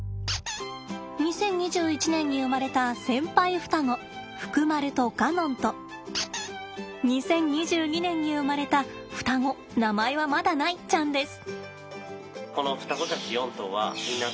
２０２１年に生まれた先輩双子フクマルとカノンと２０２２年に生まれた双子名前はまだないちゃんです。